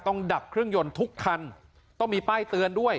ดับเครื่องยนต์ทุกคันต้องมีป้ายเตือนด้วย